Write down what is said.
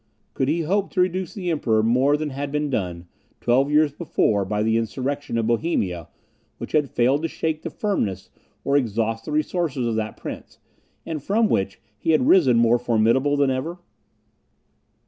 Could he hope to reduce the Emperor more than had been done, twelve years before, by the insurrection of Bohemia, which had failed to shake the firmness or exhaust the resources of that prince, and from which he had risen more formidable than ever?